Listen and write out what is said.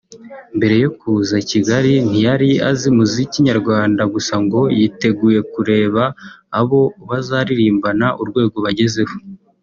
Mbere yo kuza i Kigali ntiyari azi umuziki nyarwanda gusa ngo yiteguye kureba abo bazaririmbana urwego bagezeho